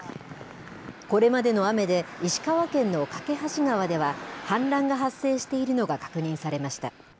これまでの雨で、石川県の梯川では、氾濫が発生しているのが確認されました。